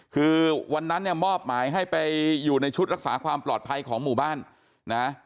คือวันนั้นเนี่ยมอบหมายให้ไปอยู่ในชุดรักษาความปลอดภัยของหมู่บ้านนะ